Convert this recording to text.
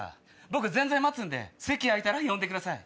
僕全然待つんで席空いたら呼んでください。